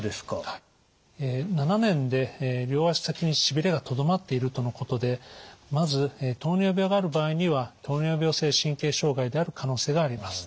７年で両足先にしびれがとどまっているとのことでまず糖尿病がある場合には糖尿病性神経障害である可能性があります。